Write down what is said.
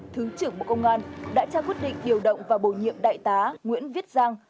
thứ trưởng bộ công an đã trao quyết định điều động và bổ nhiệm đại tá nguyễn viết giang